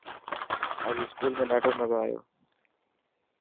اڄ اسڪول ۾ ڏاڌو مزو آيو.